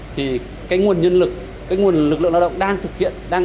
thì cái nguồn nhân lực cái nguồn lực lượng lao động đang thực hiện